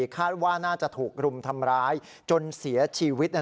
คาดว่าน่าจะถูกรุมทำร้ายจนเสียชีวิต